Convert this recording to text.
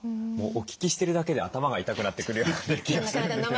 もうお聞きしてるだけで頭が痛くなってくるような気が。